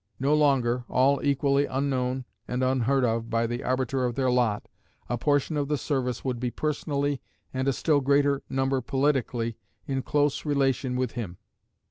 No longer, all equally unknown and unheard of by the arbiter of their lot, a portion of the service would be personally, and a still greater number politically, in close relation with him.